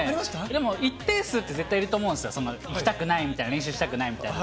でも一定数っていると思うんですよ、行きたくないみたいな、練習したくないみたいな。